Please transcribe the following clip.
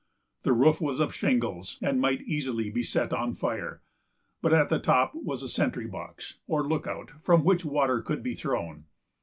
The roof was of shingles, and might easily be set on fire; but at the top was a sentry box or look out, from which water could be thrown.